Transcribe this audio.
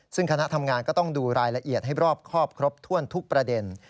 ซึ่งคณะทำงานก็ต้องดูรายละเอียดให้รอบครอบครบถ้วนทุกประเด็น